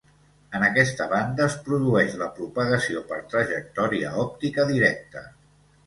En aquesta banda es produeix la propagació per trajectòria òptica directa.